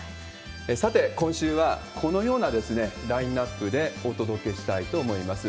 さて、今週は、このようなラインナップでお届けしたいと思います。